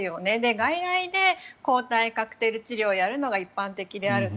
外来で抗体カクテル治療をやるのが一般的であると。